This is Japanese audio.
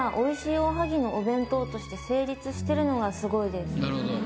おはぎのお弁当として成立してるのがスゴいです。